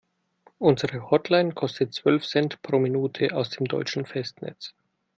Unsere Hotline kostet zwölf Cent pro Minute aus dem deutschen Festnetz.